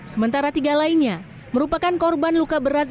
sementara tiga lainnya merupakan korban luka berat